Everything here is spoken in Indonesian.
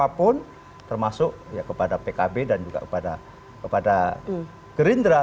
apapun termasuk ya kepada pkb dan juga kepada gerindra